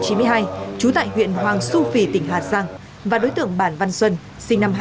trú tại huyện hoàng xu phì tỉnh hà giang và đối tượng bản văn xuân sinh năm hai nghìn